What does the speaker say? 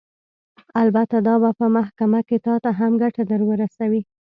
البته دا به په محکمه کښې تا ته هم ګټه درورسوي.